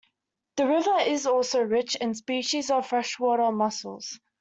The river is also rich in species of freshwater mussels.